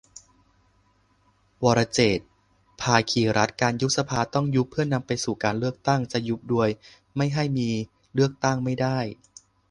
วรเจตน์ ภาคีรัตน์ : การยุบสภาต้องยุบเพื่อนำไปสู่การเลือกตั้ง จะยุบโดยไม่ให้มีเลือกตั้งไม่ได้